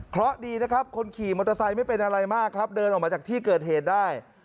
เพราะดีนะครับคนขี่มอเตอร์ไซค์ไม่เป็นอะไรมากครับเดินออกมาจากที่เกิดเหตุได้